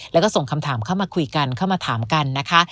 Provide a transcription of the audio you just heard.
แล้วก็ส่งคำถามเข้ามาคุยกันเข้ามาถามกันนะคะ